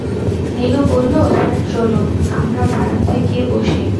নীলু বলল, স্যার চলুন, আমরা বারান্দায় গিয়ে বসি।